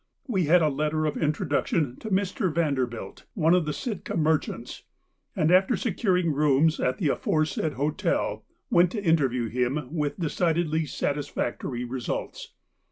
We had a letter of introduction to Mr. Vanderbilt, one of the Sitka merchants, and, after securing rooms at the aforesaid hotel, went to interview him with decidedly satisfactory results.